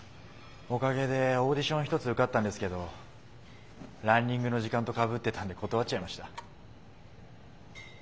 おかげでオーディション１つ受かったんですけどランニングの時間とかぶってたんで断っちゃいました。